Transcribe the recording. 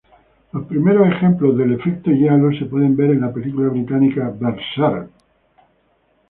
Los primeros ejemplos del efecto "giallo" se pueden ver en la película británica "Berserk!